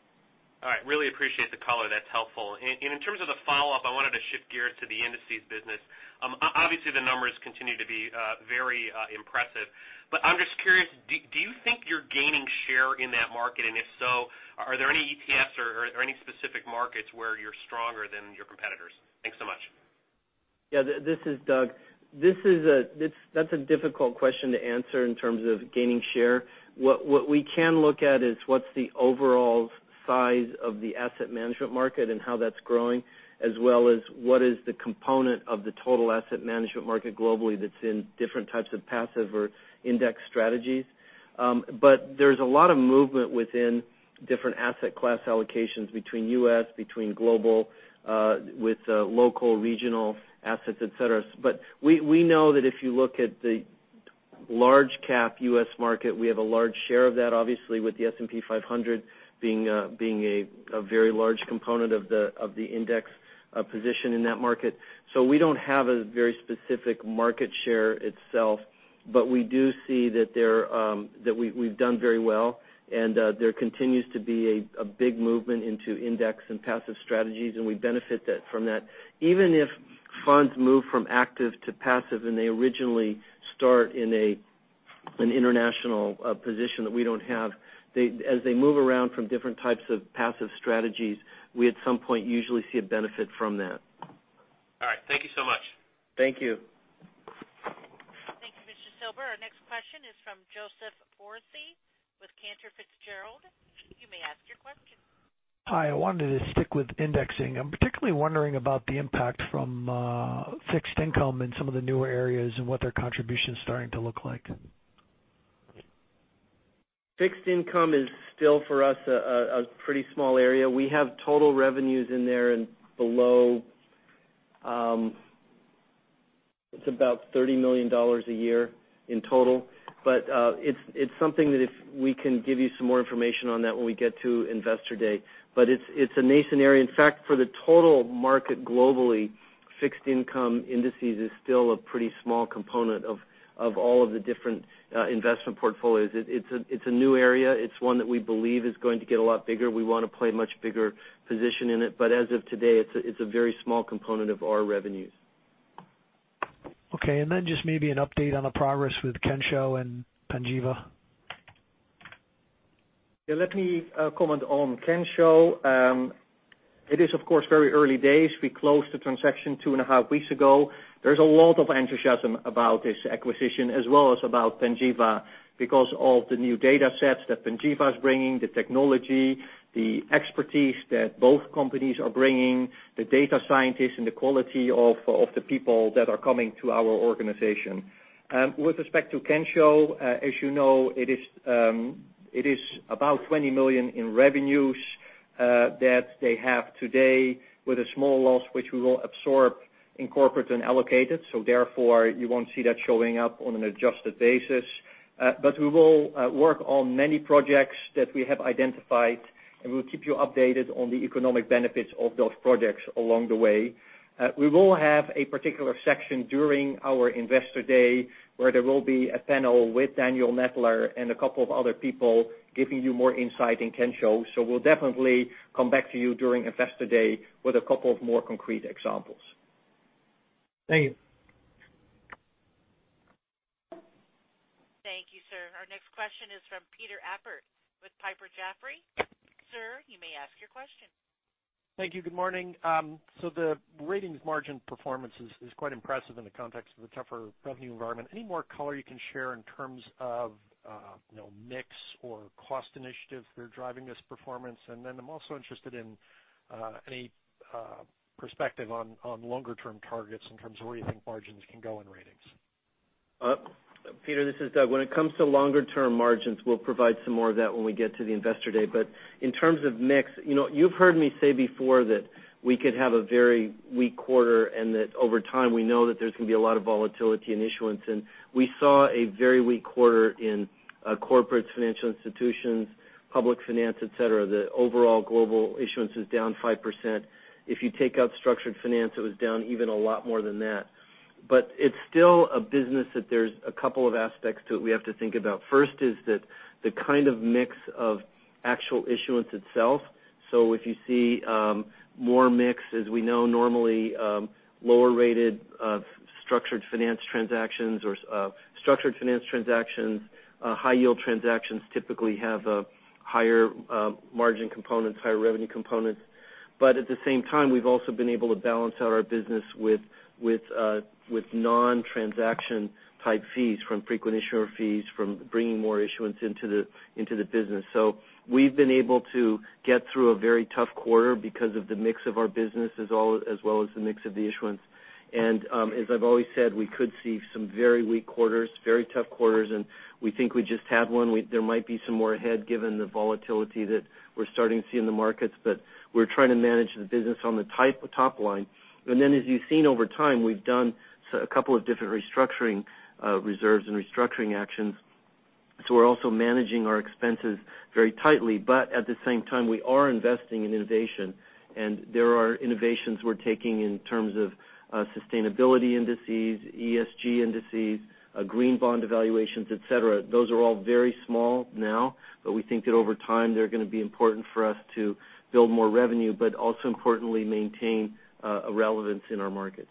All right. Really appreciate the color. That's helpful. In terms of the follow-up, I wanted to shift gears to the Indices business. Obviously, the numbers continue to be very impressive, I'm just curious, do you think you're gaining share in that market? If so, are there any ETFs or any specific markets where you're stronger than your competitors? Thanks so much. Yeah, this is Doug. That's a difficult question to answer in terms of gaining share. What we can look at is what's the overall size of the asset management market and how that's growing, as well as what is the component of the total asset management market globally that's in different types of passive or index strategies. There's a lot of movement within different asset class allocations between U.S., between global, with local regional assets, et cetera. We know that if you look at the large cap U.S. market, we have a large share of that, obviously, with the S&P 500 being a very large component of the index position in that market. We don't have a very specific market share itself. We do see that we've done very well, there continues to be a big movement into index and passive strategies, we benefit from that. Even if funds move from active to passive and they originally start in an international position that we don't have, as they move around from different types of passive strategies, we at some point usually see a benefit from that. All right. Thank you so much. Thank you. Thank you, Mr. Silber. Our next question is from Joseph Foresi with Cantor Fitzgerald. You may ask your question. Hi. I wanted to stick with indexing. I'm particularly wondering about the impact from fixed income in some of the newer areas and what their contribution is starting to look like. Fixed income is still, for us, a pretty small area. We have total revenues in there and below. It's about $30 million a year in total. It's something that if we can give you some more information on that when we get to Investor Day. It's a nascent area. In fact, for the total market globally, fixed income indices is still a pretty small component of all of the different investment portfolios. It's a new area. It's one that we believe is going to get a lot bigger. We want to play a much bigger position in it. As of today, it's a very small component of our revenues. Okay. Just maybe an update on the progress with Kensho and Panjiva. Let me comment on Kensho. It is, of course, very early days. We closed the transaction two and a half weeks ago. There's a lot of enthusiasm about this acquisition as well as about Panjiva because of the new data sets that Panjiva is bringing, the technology, the expertise that both companies are bringing, the data scientists, and the quality of the people that are coming to our organization. With respect to Kensho, as you know, it is about $20 million in revenues that they have today with a small loss, which we will absorb in corporate and allocate it. You won't see that showing up on an adjusted basis. We will work on many projects that we have identified, and we'll keep you updated on the economic benefits of those projects along the way. We will have a particular section during our Investor Day where there will be a panel with Daniel Mettler and a couple of other people giving you more insight in Kensho. We'll definitely come back to you during Investor Day with a couple of more concrete examples. Thank you. Thank you, sir. Our next question is from Peter Appert with Piper Jaffray. Sir, you may ask your question. Thank you. Good morning. The Ratings margin performance is quite impressive in the context of the tougher revenue environment. Any more color you can share in terms of mix or cost initiatives that are driving this performance? I'm also interested in any perspective on longer-term targets in terms of where you think margins can go in Ratings. Peter, this is Doug. When it comes to longer-term margins, we'll provide some more of that when we get to the Investor Day. In terms of mix, you've heard me say before that we could have a very weak quarter and that over time, we know that there's going to be a lot of volatility in issuance. We saw a very weak quarter in corporates, financial institutions, public finance, et cetera. The overall global issuance is down 5%. If you take out structured finance, it was down even a lot more than that. It's still a business that there's a couple of aspects to it we have to think about. First is that the kind of mix of actual issuance itself. If you see more mix, as we know, normally, lower rated structured finance transactions, high yield transactions typically have a higher margin component, higher revenue component. At the same time, we've also been able to balance out our business with non-transaction type fees from frequent issuer fees, from bringing more issuance into the business. We've been able to get through a very tough quarter because of the mix of our business as well as the mix of the issuance. As I've always said, we could see some very weak quarters, very tough quarters, and we think we just had one. There might be some more ahead, given the volatility that we're starting to see in the markets, but we're trying to manage the business on the top line. As you've seen over time, we've done a couple of different restructuring reserves and restructuring actions. We're also managing our expenses very tightly. At the same time, we are investing in innovation, and there are innovations we're taking in terms of sustainability indices, ESG indices, green bond evaluations, et cetera. Those are all very small now, but we think that over time, they're going to be important for us to build more revenue, but also importantly, maintain a relevance in our markets.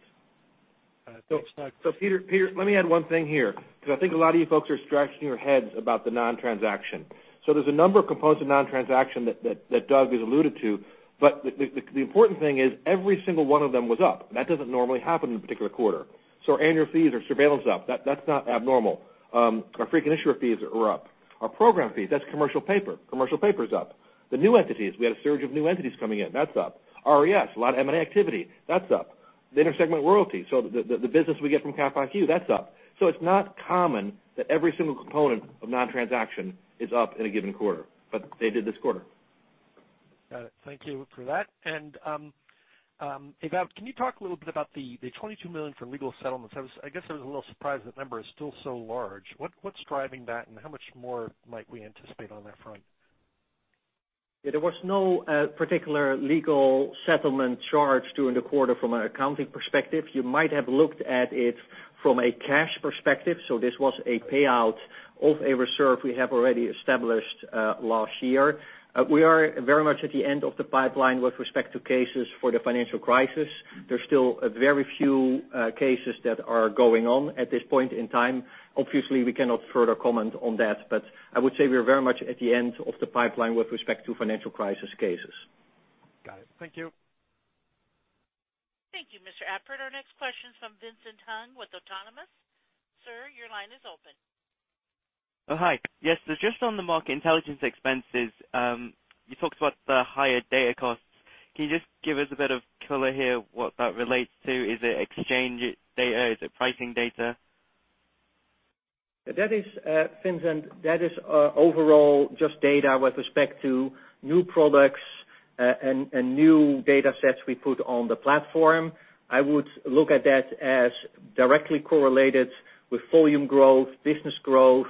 Thanks, Doug. Peter, let me add one thing here, because I think a lot of you folks are scratching your heads about the non-transaction. There's a number of components of non-transaction that Doug has alluded to. The important thing is every single one of them was up. That doesn't normally happen in a particular quarter. Our annual fees, our surveillance is up. That's not abnormal. Our frequent issuer fees are up. Our program fees, that's commercial paper. Commercial paper is up. The new entities, we had a surge of new entities coming in. That's up. RES, a lot of M&A activity. That's up. The inter-segment royalty. The business we get from CapIQ, that's up. It's not common that every single component of non-transaction is up in a given quarter, but they did this quarter. Got it. Thank you for that. Ewout, can you talk a little bit about the $22 million from legal settlements? I guess I was a little surprised that number is still so large. What's driving that, and how much more might we anticipate on that front? There was no particular legal settlement charge during the quarter from an accounting perspective. You might have looked at it from a cash perspective. This was a payout of a reserve we have already established last year. We are very much at the end of the pipeline with respect to cases for the financial crisis. There's still a very few cases that are going on at this point in time. Obviously, we cannot further comment on that, but I would say we are very much at the end of the pipeline with respect to financial crisis cases. Got it. Thank you. Thank you, Mr. Appert. Our next question is from Vincent Hung with Autonomous. Sir, your line is open. Oh, hi. Yes. Just on the Market Intelligence expenses, you talked about the higher data costs. Can you just give us a bit of color here what that relates to? Is it exchange data? Is it pricing data? Vincent, that is overall just data with respect to new products and new data sets we put on the platform. I would look at that as directly correlated with volume growth, business growth,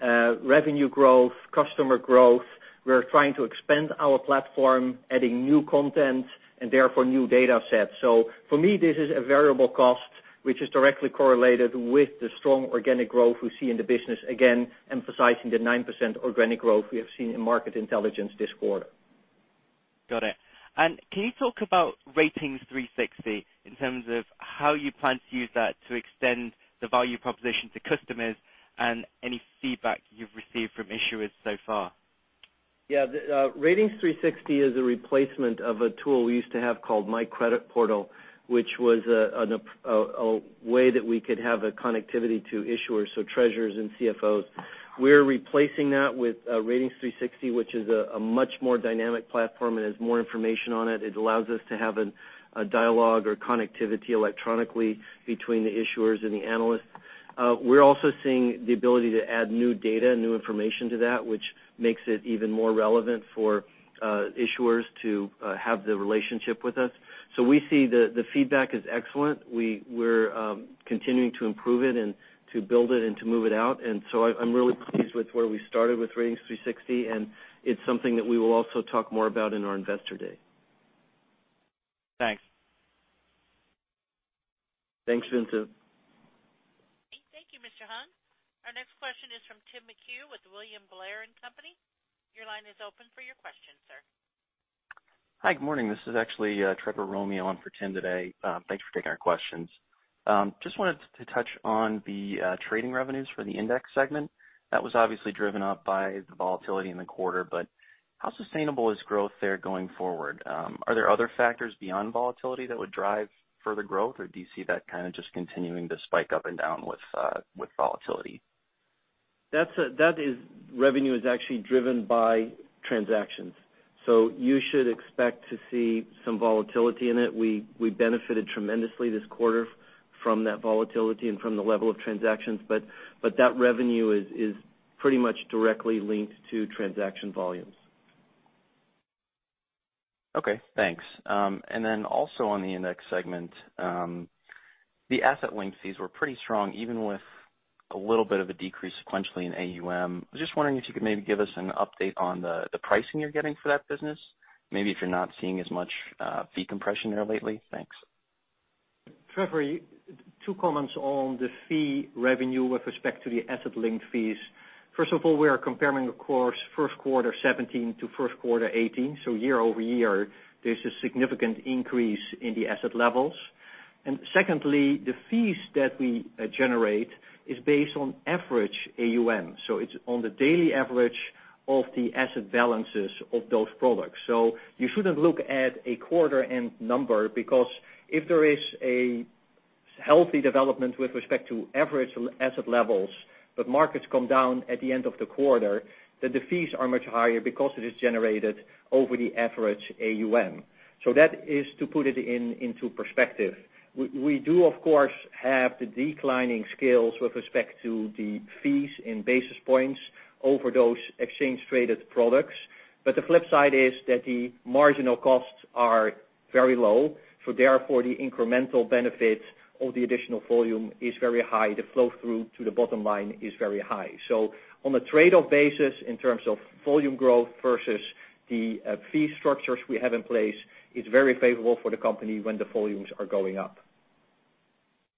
revenue growth, customer growth. We're trying to expand our platform, adding new content, and therefore new data sets. For me, this is a variable cost, which is directly correlated with the strong organic growth we see in the business, again, emphasizing the 9% organic growth we have seen in Market Intelligence this quarter. Got it. Can you talk about Ratings360 in terms of how you plan to use that to extend the value proposition to customers and any feedback you've received from issuers so far? Ratings360 is a replacement of a tool we used to have called My Credit Portal, which was a way that we could have a connectivity to issuers, so treasurers and CFOs. We're replacing that with Ratings360, which is a much more dynamic platform and has more information on it. It allows us to have a dialogue or connectivity electronically between the issuers and the analysts. We're also seeing the ability to add new data, new information to that, which makes it even more relevant for issuers to have the relationship with us. We see the feedback is excellent. We're continuing to improve it and to build it and to move it out. I'm really pleased with where we started with Ratings360, and it's something that we will also talk more about in our Investor Day. Thanks. Thanks, Vincent. Thank you, Mr. Hung. Our next question is from Tim McHugh with William Blair & Company. Your line is open for your question, sir. Hi. Good morning. This is actually Trevor Romeo on for Tim today. Thanks for taking our questions. Wanted to touch on the trading revenues for the index segment. That was obviously driven up by the volatility in the quarter, how sustainable is growth there going forward? Are there other factors beyond volatility that would drive further growth? Do you see that kind of just continuing to spike up and down with volatility? That revenue is actually driven by transactions. You should expect to see some volatility in it. We benefited tremendously this quarter from that volatility and from the level of transactions, that revenue is pretty much directly linked to transaction volumes. Okay, thanks. Then also on the index segment, the asset link fees were pretty strong, even with a little bit of a decrease sequentially in AUM. I was just wondering if you could maybe give us an update on the pricing you're getting for that business, maybe if you're not seeing as much fee compression there lately. Thanks. Trevor, two comments on the fee revenue with respect to the asset link fees. First of all, we are comparing, of course, first quarter 2017 to first quarter 2018. Year-over-year, there's a significant increase in the asset levels. Secondly, the fees that we generate is based on average AUM. It's on the daily average of the asset balances of those products. You shouldn't look at a quarter end number because if there is a healthy development with respect to average asset levels, but markets come down at the end of the quarter, then the fees are much higher because it is generated over the average AUM. That is to put it into perspective. We do, of course, have the declining scales with respect to the fees in basis points over those exchange-traded products. The flip side is that the marginal costs are very low, so therefore the incremental benefit of the additional volume is very high. The flow through to the bottom line is very high. On a trade-off basis, in terms of volume growth versus the fee structures we have in place, it's very favorable for the company when the volumes are going up.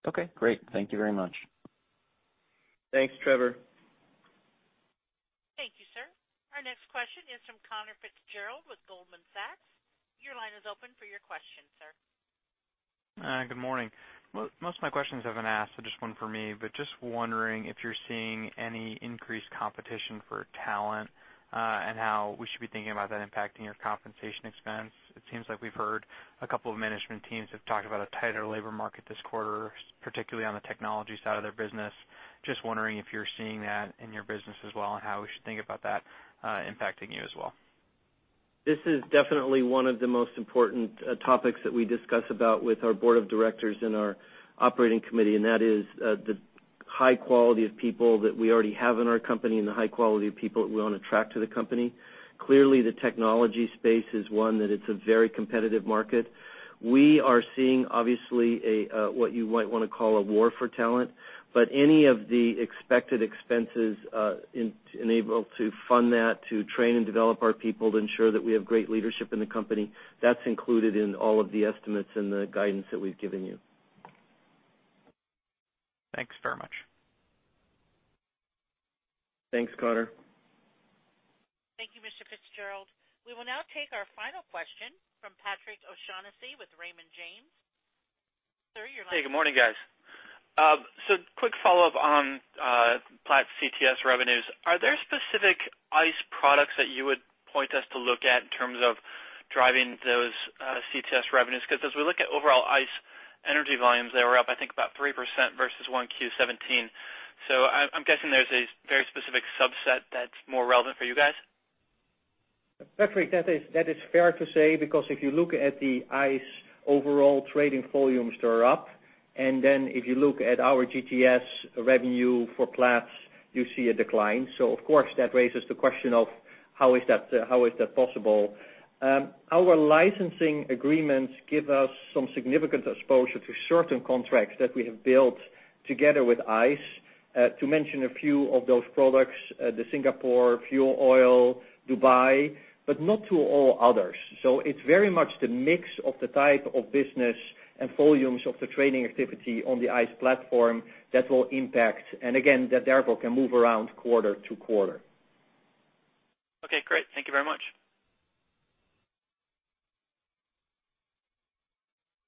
Okay, great. Thank you very much. Thanks, Trevor. Thank you, sir. Our next question is from Conor Fitzgerald with Goldman Sachs. Your line is open for your question, sir. Good morning. Most of my questions have been asked. Just one for me. Just wondering if you're seeing any increased competition for talent, and how we should be thinking about that impacting your compensation expense. It seems like we've heard a couple of management teams have talked about a tighter labor market this quarter, particularly on the technology side of their business. Just wondering if you're seeing that in your business as well, and how we should think about that impacting you as well. This is definitely one of the most important topics that we discuss about with our board of directors and our operating committee, and that is the high quality of people that we already have in our company and the high quality of people that we want to attract to the company. Clearly, the technology space is one that it's a very competitive market. We are seeing, obviously, what you might want to call a war for talent, but any of the expected expenses enable to fund that, to train and develop our people, to ensure that we have great leadership in the company, that's included in all of the estimates and the guidance that we've given you. Thanks very much. Thanks, Conor. Thank you, Mr. Fitzgerald. We will now take our final question from Patrick O'Shaughnessy with Raymond James. Sir, your line. Hey, good morning, guys. Quick follow-up on Platts GTS revenues. Are there specific ICE products that you would point us to look at in terms of driving those GTS revenues? As we look at overall ICE energy volumes, they were up, I think, about 3% versus 1Q17. I'm guessing there's a very specific subset that's more relevant for you guys. Patrick, that is fair to say if you look at the ICE overall trading volumes, they are up. If you look at our GTS revenue for Platts, you see a decline. Of course, that raises the question of how is that possible. Our licensing agreements give us some significant exposure to certain contracts that we have built together with ICE. To mention a few of those products, the Singapore fuel oil, Dubai, but not to all others. It's very much the mix of the type of business and volumes of the trading activity on the ICE platform that will impact, and again, that therefore can move around quarter to quarter. Okay, great. Thank you very much.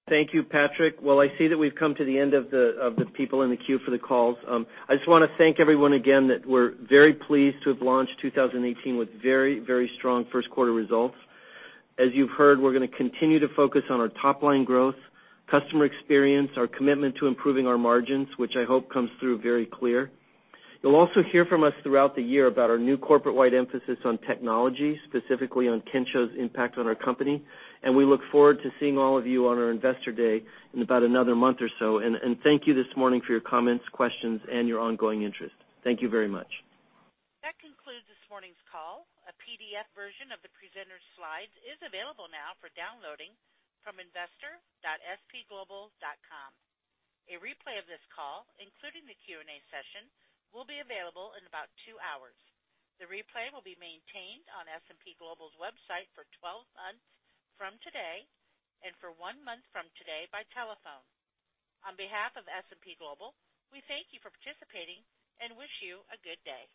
Thank you, Patrick. I see that we've come to the end of the people in the queue for the calls. I just want to thank everyone again that we're very pleased to have launched 2018 with very strong first quarter results. As you've heard, we're going to continue to focus on our top-line growth, customer experience, our commitment to improving our margins, which I hope comes through very clear. You'll also hear from us throughout the year about our new corporate-wide emphasis on technology, specifically on Kensho's impact on our company. We look forward to seeing all of you on our Investor Day in about another month or so. Thank you this morning for your comments, questions, and your ongoing interest. Thank you very much. That concludes this morning's call. A PDF version of the presenter's slides is available now for downloading from investor.spglobal.com. A replay of this call, including the Q&A session, will be available in about two hours. The replay will be maintained on S&P Global's website for 12 months from today and for one month from today by telephone. On behalf of S&P Global, we thank you for participating and wish you a good day.